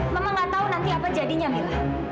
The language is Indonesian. mama gak tahu nanti apa jadinya mila